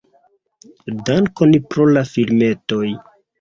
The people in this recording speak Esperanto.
Dankon pro la filmetoj!